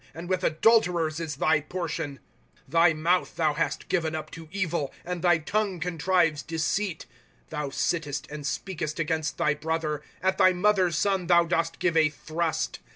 And with adulterers is thy portion. ./Google PSALMS. ^* Thy mouth thou hast given up to evil, And thy tongue contrives deceit. ^* Thou sittest, and speakest against thy brother ; At thy mother's son thou dost give a thrust.